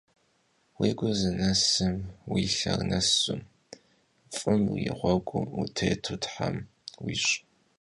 Vui gur zdeşı'em vui lher nesu, f'ım yi ğuegum vutêtu Them vuiş'!